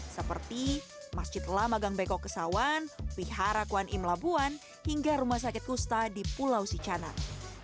seperti masjid lamagang beko kesawan pihara kwan im labuan hingga rumah sakit kusta di pulau sicanar